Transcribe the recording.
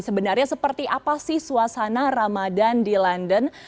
sebenarnya seperti apa sih suasana ramadan di london